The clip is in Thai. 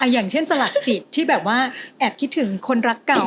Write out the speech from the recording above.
อย่างเช่นสลักจิตที่แบบว่าแอบคิดถึงคนรักเก่า